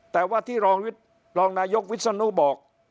แต่ว่าที่รองนายกวิศนุบอก